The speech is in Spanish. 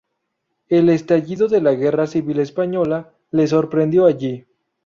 El estallido de la Guerra Civil Española le sorprendió allí.